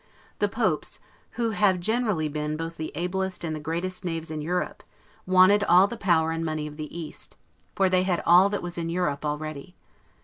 The popes, who have generally been both the ablest and the greatest knaves in Europe, wanted all the power and money of the East; for they had all that was in Europe already.